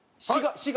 滋賀。